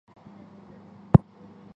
后又加封信州路和铅山州。